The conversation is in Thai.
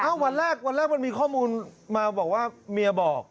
วันแรกวันแรกมันมีข้อมูลมาบอกว่าเมียบอก